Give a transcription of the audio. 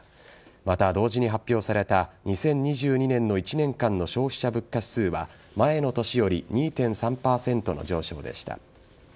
また、同時に発表された２０２２年の１年間の消費者物価指数は前の年より２．３％の上昇でした。